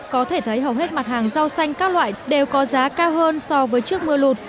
có thể thấy hầu hết mặt hàng rau xanh các loại đều có giá cao hơn so với trước mưa lụt